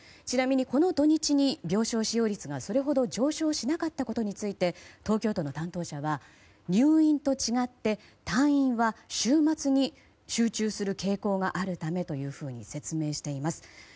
ちなみに、この土日に病床使用率がそれほど上昇しなかったことについて東京都の担当者は、入院と違って退院は週末に集中する傾向があるためというふうに説明しています。